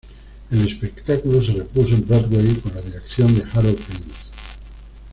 El espectáculo se repuso en Broadway con la dirección de Harold Prince.